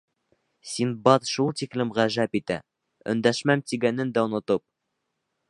Синдбад шул тиклем ғәжәп итә, өндәшмәм, тигәнен дә онотоп: